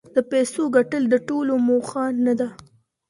د پیسو ګټل د ټولو موخه نه ده.